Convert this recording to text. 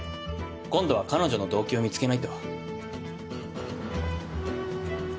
今度は彼女の動機を見つけないと。